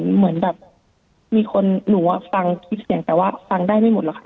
เหมือนแบบมีคนหนูฟังคลิปเสียงแต่ว่าฟังได้ไม่หมดหรอกค่ะ